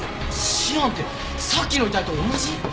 シアンってさっきの遺体と同じ！？